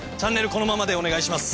このままでお願いします。